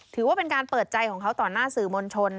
ถือว่าเป็นการเปิดใจของเขาต่อหน้าสื่อมวลชน